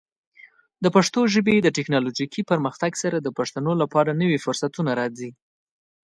د پښتو ژبې د ټیکنالوجیکي پرمختګ سره، د پښتنو لپاره نوې فرصتونه راځي.